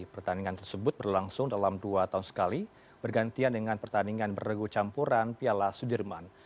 pertandingan tersebut berlangsung dalam dua tahun sekali bergantian dengan pertandingan berego campuran piala sudirman